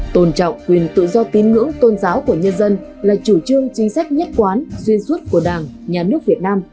tôn trọng quyền tự do tín ngưỡng tôn giáo của nhân dân là chủ trương chính sách nhất quán xuyên suốt của đảng nhà nước việt nam